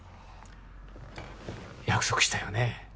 約束したよね？